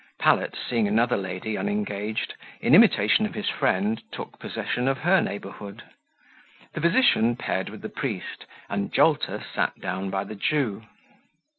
Pallet, seeing another lady unengaged, in imitation of his friend, took possession of her neighbourhood; the physician paired with the priest, and Jolter sat down by the Jew.